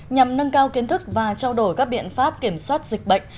nhằm nâng cao kiến thức và trao đổi các biện pháp kiểm soát dịch bệnh